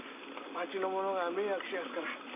町の者が迷惑しやすから。